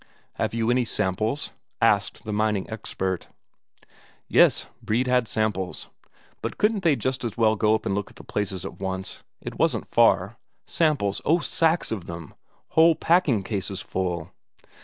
"Have you any samples?" asked the mining expert. Yes, Brede had samples. But couldn't they just as well go up and look at the places at once? It wasn't far. Samples oh, sacks of them, whole packing cases full.